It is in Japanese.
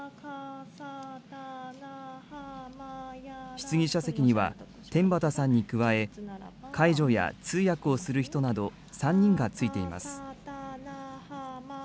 質疑者席には、天畠さんに加え、介助や通訳をする人など３人がついています。